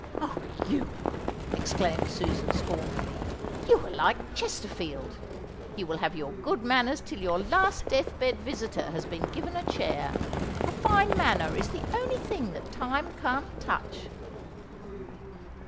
"Oh, you," exclaimed Susan scornfully, "you are like Chesterfield. You will have your good manners till your last death bed visitor has been given a chair. A fine manner is the only thing that time can't touch."